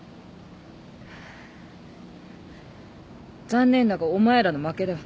残念だがお前らの負けだ。